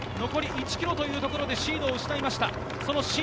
前回、東海大は１０区残り１ｋｍというところでシードを失いました。